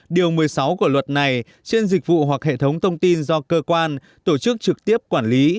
điều một mươi sáu của luật này trên dịch vụ hoặc hệ thống thông tin do cơ quan tổ chức trực tiếp quản lý